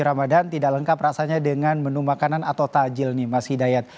ramadhan tidak lengkap rasanya dengan menu makanan atau tajil nih mas hidayat